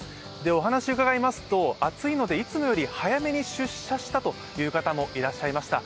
お話伺いますと、暑いのでいつもより早めに出社したという方もいました。